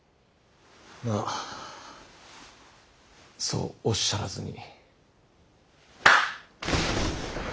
まぁそうおっしゃらずに。